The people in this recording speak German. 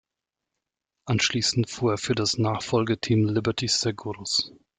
Anschließend fuhr er für das Nachfolge-Team Liberty Seguros.